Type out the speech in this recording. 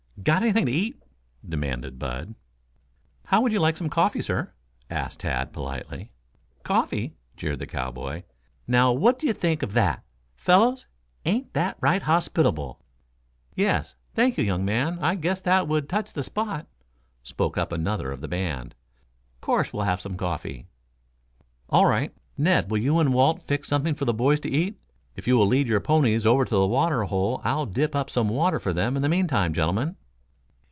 "Got anything to eat?" demanded Bud. "How would you like some coffee, sir?" asked Tad politely. "Coffee?" jeered the cowboy. "Now what d'ye think of that, fellows? Ain't that right hospitable?" "Yes, thank you, young man, I guess that would touch the spot," spoke up another of the band. "'Course we'll have some coffee." "All right. Ned, will you and Walt fix something for the boys to eat? If you will lead your ponies over to the water hole I'll dip up some water for them in the meantime, gentlemen."